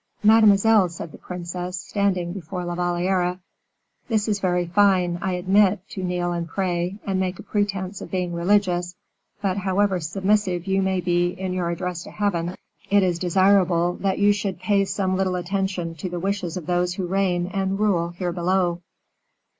"Mademoiselle," said the princess, standing before La Valliere, "this is very fine, I admit, to kneel and pray, and make a pretense of being religious; but however submissive you may be in your address to Heaven, it is desirable that you should pay some little attention to the wishes of those who reign and rule here below."